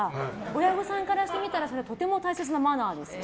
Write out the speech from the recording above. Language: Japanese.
親御さんからしてみたらそれはとても大切なマナーです。